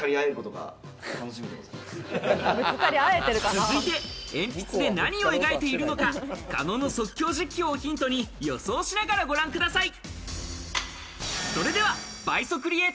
続いて、鉛筆で何を描いているのか、狩野の即興実況をヒントに予想しながらご覧ください。